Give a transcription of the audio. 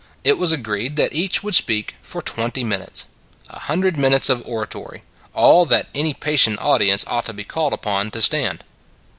It was agreed that each would speak for twenty minutes a hundred minutes of oratory, all that any patient audience ought to be called upon to stand.